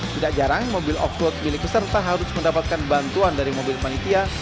tidak jarang mobil off road milik peserta harus mendapatkan bantuan dari mobil panitia